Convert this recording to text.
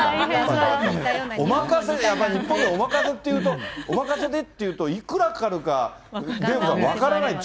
おまかせ、やっぱり日本でもおまかせっていうと、おまかせでっていうと、いくらかかるか、デーブさん、分からない。